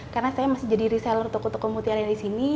karena saya masih jadi reseller toko toko mutiara disini